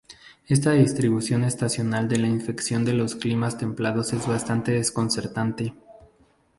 Esta distribución estacional de la infección en los climas templados es bastante desconcertante.